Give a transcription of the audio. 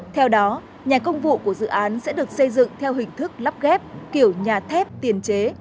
theo đó nhà công vụ của dự án sẽ được xây dựng theo hình thức lắp ghép kiểu nhà thép tiền chế